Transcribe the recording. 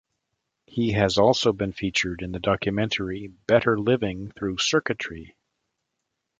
He has also been featured in the documentary Better Living Through Circuitry.